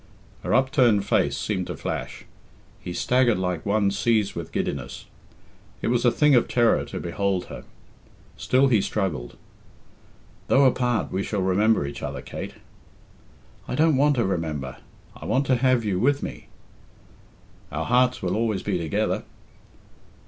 Her upturned face seemed to flash. He staggered like one seized with giddiness. It was a thing of terror to behold her. Still he struggled. "Though apart, we shall remember each other, Kate." "I don't want to remember. I want to have you with me." "Our hearts will always be together."